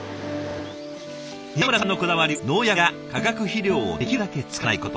宮村さんのこだわりは農薬や化学肥料をできるだけ使わないこと。